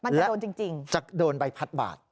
จะจะโดนใบพัดบาด